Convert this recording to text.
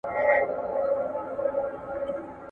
تر هغې چي زه راغلم هغه تللی و.